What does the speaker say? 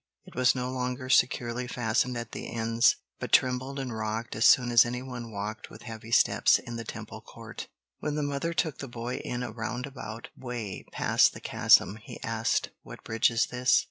It was no longer securely fastened at the ends, but trembled and rocked as soon as any one walked with heavy steps in the Temple Court. When the mother took the boy in a roundabout way past the chasm, he asked: "What bridge is this?"